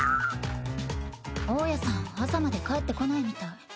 大家さん朝まで帰って来ないみたい。